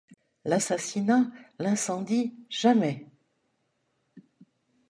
L’assassinat, l’incendie, jamais !